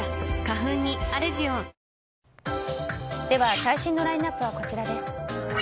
では最新のラインアップはこちらです。